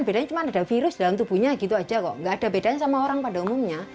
bedanya cuma ada virus dalam tubuhnya gitu aja kok nggak ada bedanya sama orang pada umumnya